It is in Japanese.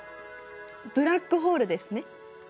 ブラックホールですね。